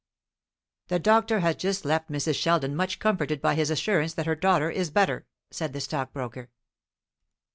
"The doctor has just left Mrs. Sheldon much comforted by his assurance that her daughter is better," said the stockbroker.